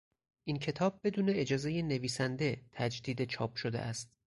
این کتاب بدون اجازهی نویسنده تجدید چاپ شده است.